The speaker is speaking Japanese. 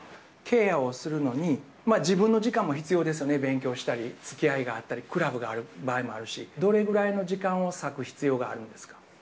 ケアをするのに、自分の時間も必要ですよね、勉強したり、つきあいがあったり、クラブがある場合もあるし、どれぐらいの時間を割く必要があるんですか？